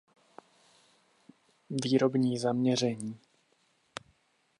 Výrobní zaměření.